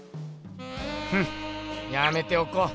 フッやめておこう。